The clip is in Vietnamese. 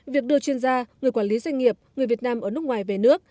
việc đưa chuyên gia người quản lý doanh nghiệp người việt nam ở nước ngoài về nước